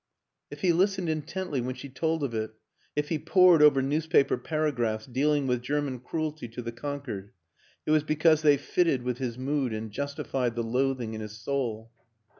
If he listened intently when she told of it, if he pored over newspaper paragraphs dealing with German cruelty to the conquered, it was because they fitted with his mood and justified the loathing in his soul.